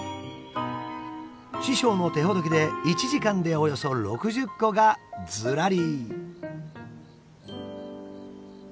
師匠の手ほどきで１時間でおよそ６０個がずらり。